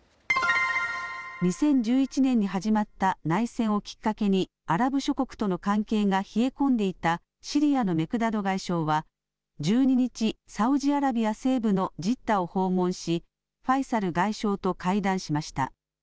２０１１年に始まった内戦をきっかけにアラブ諸国との関係が冷え込んでいたシリアのメクダド外相は１２日、サウジアラビア西部のジッダを訪問しファイサル外相と会談しました。